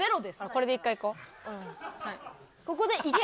これで１回いこう。